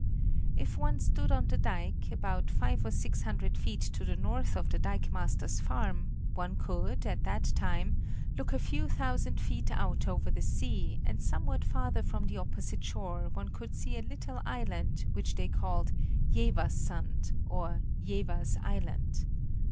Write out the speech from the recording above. If one stood on the dike, about five or six hundred feet to the north of the dikemaster's farm, one could, at that time, look a few thousand feet out over the sea, and somewhat farther from the opposite shore one could see a little island, which they called "Jeverssand," or "Jevers Island."